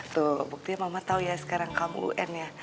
tuh buktinya mama tahu ya sekarang kamu un ya